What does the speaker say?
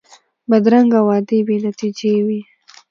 بدرنګه وعدې بې نتیجې وي